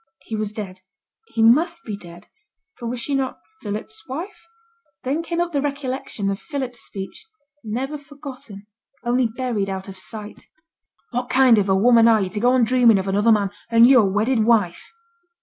He was dead; he must be dead; for was she not Philip's wife? Then came up the recollection of Philip's speech, never forgotten, only buried out of sight: 'What kind of a woman are yo' to go on dreaming of another man, and yo' a wedded wife?'